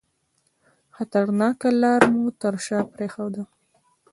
خطرناکه لار مو تر شاه پرېښوده.